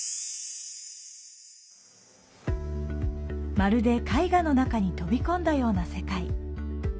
まるで絵画の中に飛び込んだような世界。